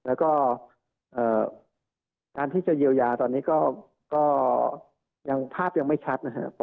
แล้วก็การที่จะเยียวยาตอนนี้ก็ยังภาพยังไม่ชัดนะครับ